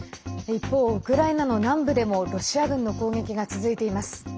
一方、ウクライナの南部でもロシア軍の攻撃が続いています。